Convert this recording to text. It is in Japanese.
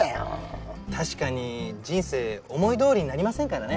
確かに人生思いどおりになりませんからね。